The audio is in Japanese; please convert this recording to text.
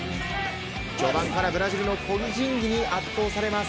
序盤からブラジルの個人技に圧倒されます。